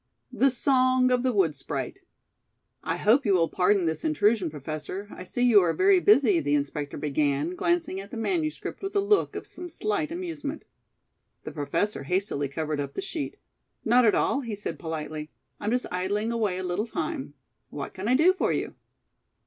"THE SONG OF THE WOOD SPRITE." "I hope you will pardon this intrusion, Professor. I see you are very busy," the inspector began, glancing at the manuscript with a look of some slight amusement. The Professor hastily covered up the sheet. "Not at all," he said politely; "I'm just idling away a little time. What can I do for you?"